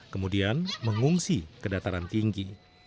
kemudian mengungsi kedataran tinggi